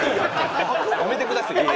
やめてくださいよ。